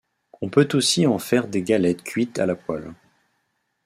On peut aussi en faire des galettes cuites à la poêle.